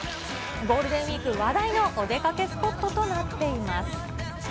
ゴールデンウィーク話題のお出かけスポットとなっています。